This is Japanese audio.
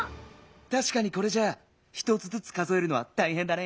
たしかにこれじゃあ１つずつ数えるのはたいへんだね。